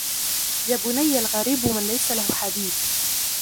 يَا بُنَيَّ الْغَرِيبُ مَنْ لَيْسَ لَهُ حَبِيبٌ